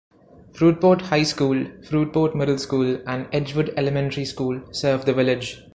Fruitport High School, Fruitport Middle School, and Edgewood Elementary School serve the village.